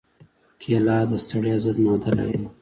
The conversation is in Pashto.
کېله د ستړیا ضد ماده لري.